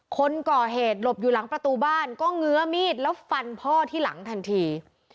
คนก่อเหตุหลบอยู่หลังประตูบ้านก็เงื้อมีดแล้วฟันพ่อที่หลังทันที